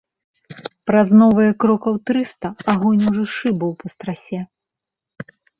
Праз новыя крокаў трыста агонь ужо шыбаў па страсе.